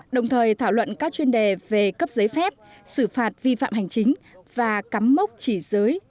đồng thời thảo luận các chuyên đề về cấp giấy phép xử phạt vi phạm hành chính và cắm mốc chỉ giới